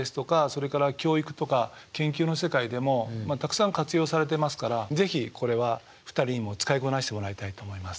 それから教育とか研究の世界でもたくさん活用されてますから是非これは２人にも使いこなしてもらいたいと思います。